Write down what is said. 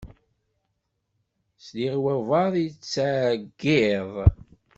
Sliɣ i wabɛaḍ yettɛeggiḍ.